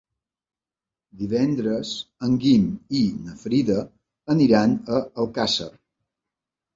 Divendres en Guim i na Frida aniran a Alcàsser.